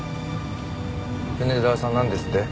米沢さんなんですって？